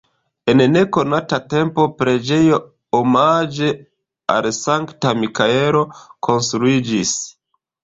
En nekonata tempo preĝejo omaĝe al Sankta Mikaelo konstruiĝis.